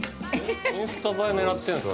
インスタ映え狙ってるんですか？